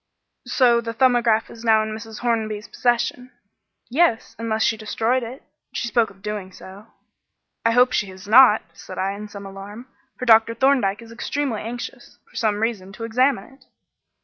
"So the 'Thumbograph' is now in Mrs. Hornby's possession?" "Yes, unless she has destroyed it. She spoke of doing so." "I hope she has not," said I, in some alarm, "for Dr. Thorndyke is extremely anxious, for some reason, to examine it."